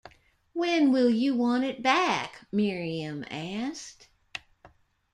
“When will you want it back?” Miriam asked.